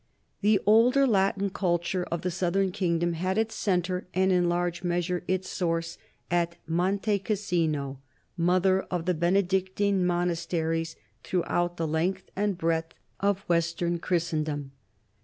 The older Latin culture of the southern kingdom had its centre and in large measure its source at Monte Cas sino, mother of the Benedictine monasteries through out the length and breadth of western Christendom.